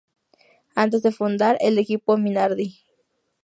Antes de fundar el equipo Minardi.